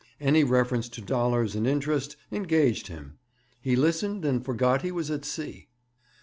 Any reference to dollars and interest engaged him. He listened, and forgot he was at sea.